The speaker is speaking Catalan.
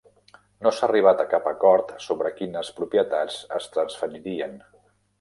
No s'ha arribat a cap acord sobre quines propietats es transferirien.